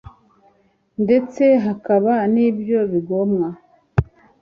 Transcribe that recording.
ndetse hakaba nibyo bigomwa.